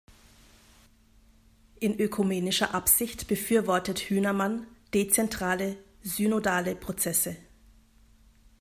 In ökumenischer Absicht befürwortet Hünermann dezentrale, synodale Prozesse.